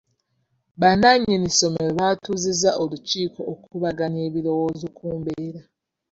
Bannannyini ssomero baatuuzizza olukiiko okukubaganya ebirowoozo ku mbeera.